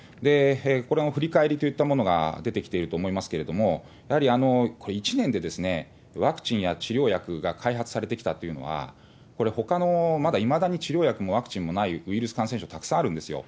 これの振り返りといったものが出てきていると思いますけれども、やはりこれ、１年でワクチンや治療薬が開発されてきたというのは、これ、ほかのまだいまだに治療薬もワクチンもない、ウイルス感染症たくさんあるんですよ。